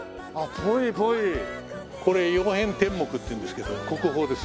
これ『曜変天目』っていうんですけど国宝です。